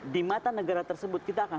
di mata negara tersebut kita akan